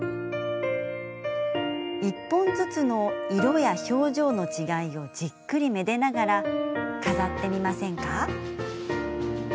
１本ずつの色や表情の違いをじっくりめでながら飾ってみませんか？